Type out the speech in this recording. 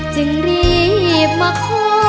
จึงรีบมาขอ